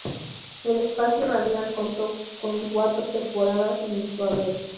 El espacio radial contó con cuatro temporadas en su haber.